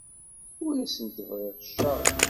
Ur asent-bɣiɣ cceṛ.